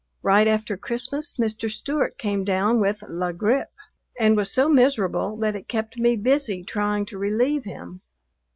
Right after Christmas Mr. Stewart came down with la grippe and was so miserable that it kept me busy trying to relieve him.